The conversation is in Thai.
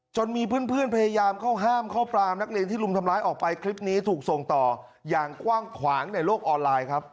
มีเพื่อนพยายามเข้าห้ามเข้าปรามนักเรียนที่รุมทำร้ายออกไปคลิปนี้ถูกส่งต่ออย่างกว้างขวางในโลกออนไลน์ครับ